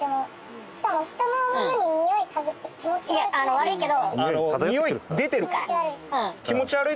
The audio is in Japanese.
悪いけど。